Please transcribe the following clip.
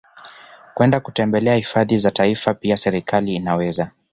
kwenda kutembelea hifadhi za Taifa Pia serekali inaweza